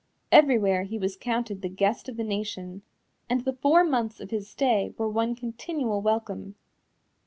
Everywhere he was counted the guest of the nation, and the four months of his stay were one continual welcome.